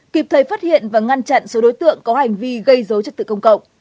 kịp thời phát hiện và ngăn chặn số đối tượng có hành vi gây dấu chất tự công cộng